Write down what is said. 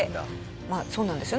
まあそうなんですよね。